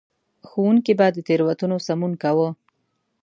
ښوونکي به د تېروتنو سمون کاوه.